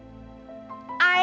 biar aku tambah manis